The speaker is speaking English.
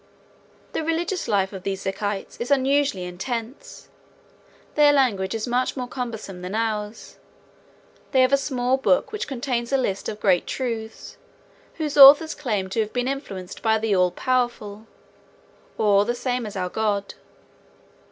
The religious life of these Zikites is unusually intense. Their language is much more cumbersome than ours. They have a small book which contains a list of great truths whose authors claim to have been influenced by the All Powerful, or the same as our God.